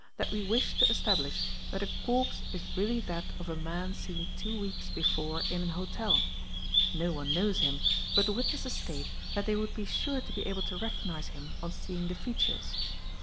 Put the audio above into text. that we wish to establish that a corpse is really that of a — man seen two weeks before in an hotel; no one knows him, but the wit nesses state that they would be sure to be able to recognise him on seeing the features.